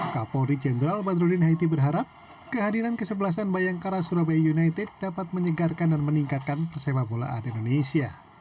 kapolri jenderal badrudin haiti berharap kehadiran kesebelasan bayangkara surabaya united dapat menyegarkan dan meningkatkan persepak bolaan indonesia